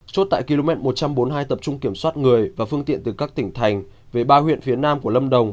chốt tại km một trăm bốn mươi hai tập trung kiểm soát người và phương tiện từ các tỉnh thành về ba huyện phía nam của lâm đồng